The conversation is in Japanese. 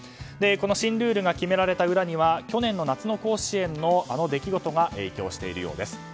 この新ルールが決められた裏には去年の夏の甲子園のあの出来事が影響しているようです。